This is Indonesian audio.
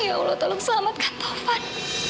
ya allah tolong selamatkan taufan